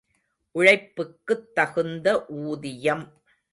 உழைப்புக்குத் தகுந்த ஊதியம்.